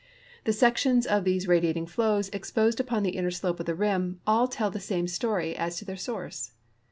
The sections of these radi ating flows exposed upon the inner sloi)e of the rim all tell the same story as to their source.